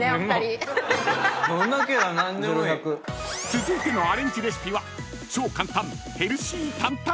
［続いてのアレンジレシピは］